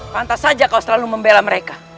pantas saja kau selalu membela mereka